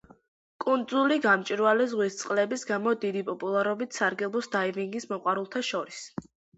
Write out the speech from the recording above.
კუნძული გამჭვირვალე ზღვის წყლების გამო დიდი პოპულარობით სარგებლობს დაივინგის მოყვარულთა შორის.